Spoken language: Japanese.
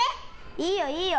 いいよ、いいよ。